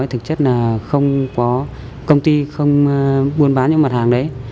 thì thực chất là không có công ty buôn bán những mặt hàng đấy